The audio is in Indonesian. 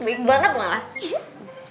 baik banget malah